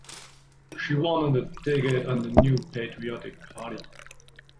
She won on the ticket of the New Patriotic Party.